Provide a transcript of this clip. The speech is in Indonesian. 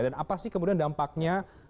apa sih kemudian dampaknya